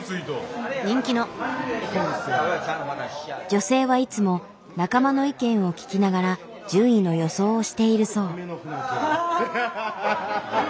女性はいつも仲間の意見を聞きながら順位の予想をしているそう。